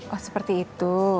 oh seperti itu